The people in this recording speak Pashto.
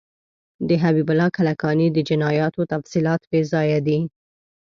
د حبیب الله کلکاني د جنایاتو تفصیلات بیځایه دي.